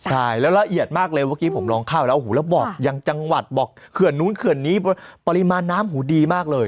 ใช่แล้วละเอียดมากเลยเมื่อกี้ผมลองเข้าแล้วหูแล้วบอกยังจังหวัดบอกเขื่อนนู้นเขื่อนนี้ปริมาณน้ำหูดีมากเลย